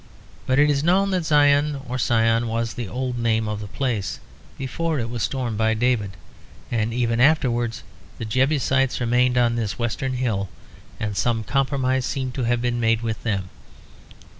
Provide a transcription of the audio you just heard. But it is known that Zion or Sion was the old name of the place before it was stormed by David; and even afterwards the Jebusites remained on this western hill, and some compromise seems to have been made with them.